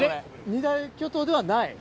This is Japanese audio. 二大巨頭ではない？